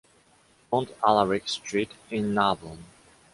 Mont Alaric street in Narbonne